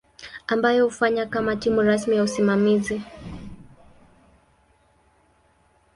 ambayo hufanya kama timu rasmi ya usimamizi.